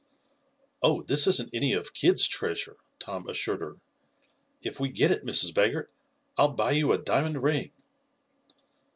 "Oh, this isn't any of Kidd's treasure," Tom assured her. "If we get it, Mrs. Baggert, I'll buy you a diamond ring."